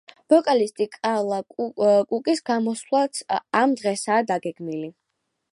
ვოკალისტი კარლა კუკის გამოსვლაც ამ დღესაა დაგეგმილი.